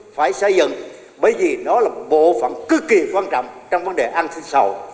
phải xây dựng bởi vì nó là bộ phẩm cực kỳ quan trọng trong vấn đề an sinh sầu